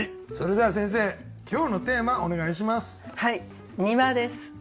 それでは先生今日のテーマお願いします。